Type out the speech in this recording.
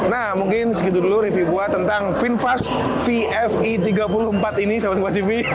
nah mungkin segitu dulu review gua tentang vinfast vf e tiga puluh empat ini sahabat kompasivi